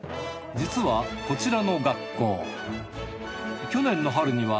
実はこちらの学校